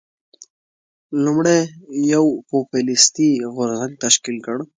لومړی یو پوپلیستي غورځنګ تشکیل کړ.